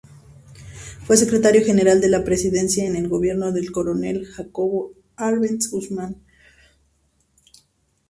Fue secretario general de la presidencia en el gobierno del coronel Jacobo Arbenz Guzmán.